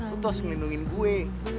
lu tuh harus ngelindungin gue